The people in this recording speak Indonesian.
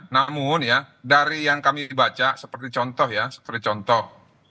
namun ya dari yang kami baca seperti contoh ya seperti contoh